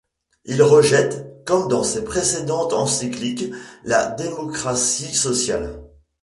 Il rejette, comme dans ces précédentes encycliques, la démocratie sociale.